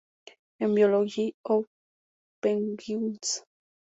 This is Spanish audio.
En: Biology of Penguins.